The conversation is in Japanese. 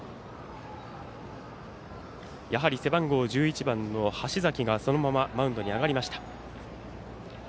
やはり背番号１１番の橋崎がそのままマウンドに上がりました。